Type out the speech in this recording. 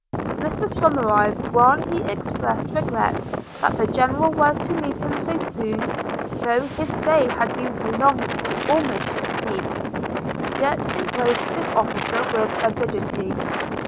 Mr Somerive, while he expressed regret that the General was to leave him so soon (though his stay had been prolonged to almost six weeks), yet embraced this offer with avidity.